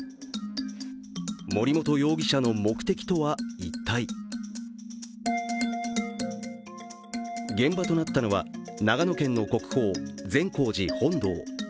森本容疑者の目的とは一体現場となったのは長野県の国宝善光寺本堂。